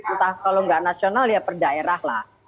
entah kalau nggak nasional ya per daerah lah